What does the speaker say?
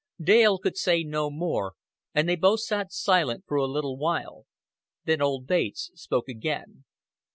Dale could say no more and they both sat silent for a little while. Then old Bates spoke again.